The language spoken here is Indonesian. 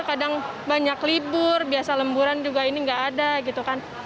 kadang banyak libur biasa lemburan juga ini nggak ada gitu kan